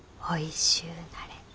おいしゅうなれ。